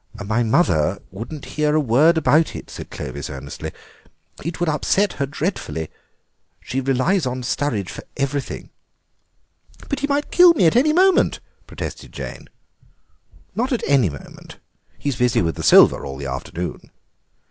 "My mother mustn't hear a word about it," said Clovis earnestly; "it would upset her dreadfully. She relies on Sturridge for everything." "But he might kill me at any moment," protested Jane. "Not at any moment; he's busy with the silver all the afternoon."